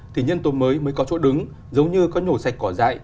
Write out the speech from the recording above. thì nhân tố mới mới có chỗ đứng giống như có nhổ sạch cỏ dại